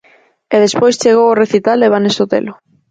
E despois chegou o recital de Vane Sotelo.